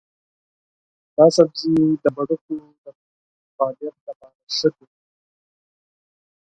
دا سبزی د ګردو د فعالیت لپاره ښه دی.